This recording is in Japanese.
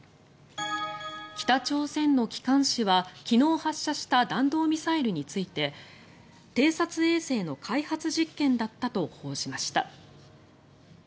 北朝鮮の機関紙は、昨日発射した弾道ミサイルについて偵察衛星の開発実験だったと報じました。